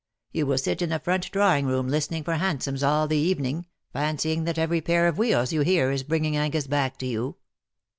You will sit in the front drawing room listening for hansoms all the evening, fancying that every pair of wheels you hear is bringing Angus back to you.